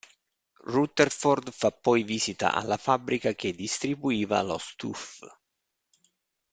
Rutherford fa poi visita alla fabbrica che distribuiva lo Stuff.